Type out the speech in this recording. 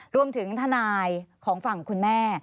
รวมถึงทนายของฝั่งคุณแม่